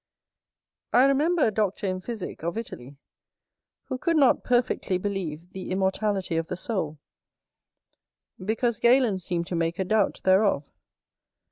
I remember a doctor in physick, of Italy, who could not perfectly believe the immortality of the soul, because Galen seemed to make a doubt thereof.